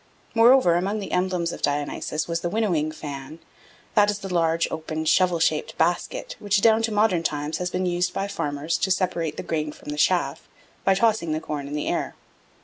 Moreover, among the emblems of Dionysus was the winnowing fan, that is the large open shovel shaped basket, which down to modern times has been used by farmers to separate the grain from the chaff by tossing the corn in the air.